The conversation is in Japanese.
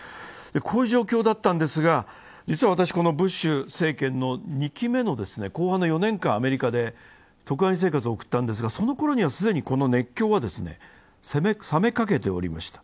こういう状況だったんですが、実は私ブッシュ政権の２期目の後半の４年間、アメリカで特派員生活を送ったんですがそのころには既にこの熱狂は冷めかけておりました。